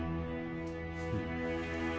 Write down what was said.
うん